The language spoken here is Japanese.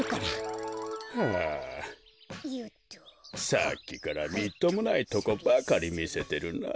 さっきからみっともないとこばかりみせてるな。